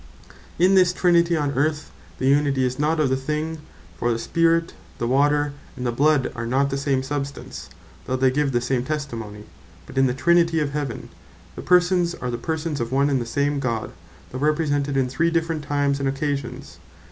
In this Trinity on Earth the Unity is not of the thing; for the Spirit, the Water, and the Bloud, are not the same substance, though they give the same testimony: But in the Trinity of Heaven, the Persons are the persons of one and the same God, though Represented in three different times and occasions.